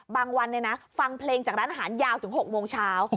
บางวันฟังเพลงจากร้านอาหารยาวถึง๖โมงเช้า